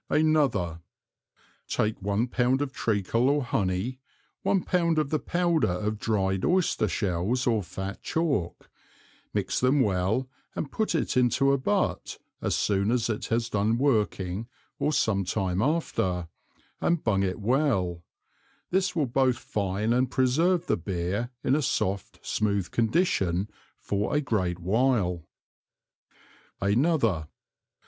ANOTHER. Take one Pound of Treacle or Honey, one Pound of the Powder of dryed Oyster shells or fat Chalk, mix them well and put it into a Butt, as soon as it has done working or some time after, and Bung it well, this will both fine and preserve the Beer in a soft, smooth Condition for a great while. ANOTHER.